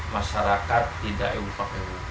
masyarakat tidak ewu pakai ewu